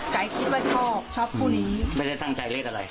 คิดว่าชอบชอบคู่นี้ไม่ได้ตั้งใจเลขอะไร